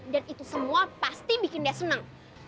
dan itu semua pasti bikin dia seneng